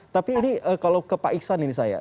tapi ini kalau ke pak iksan ini saya